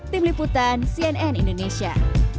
tim liputan cnn indonesia